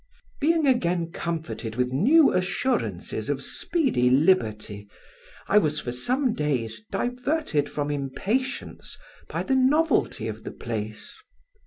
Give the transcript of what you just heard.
"Being again comforted with new assurances of speedy liberty, I was for some days diverted from impatience by the novelty of the place.